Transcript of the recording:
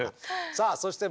さあそして